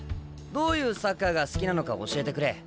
どういうサッカーが好きなのか教えてくれ。